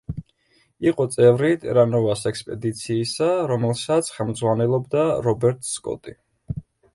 იყო წევრი ტერა-ნოვას ექსპედიციისა, რომელსაც ხელმძღვანელობდა რობერტ სკოტი.